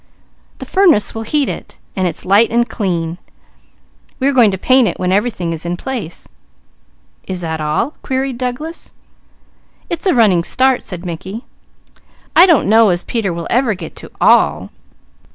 The furnace will heat it, and it's light and clean; we are going to paint it when everything is in place." "Is that all?" queried Douglas. "It's a running start," said Mickey; "I don't know as Peter will ever get to 'all'.